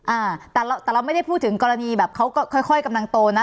อ่าแต่เราไม่ได้พูดถึงกรณีแบบเขาก็ค่อยค่อยกำลังโตนะ